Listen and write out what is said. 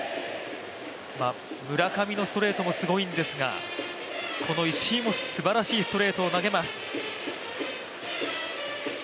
村上のストレートもすごいんですがこの石井もすばらしいストレートを投げます。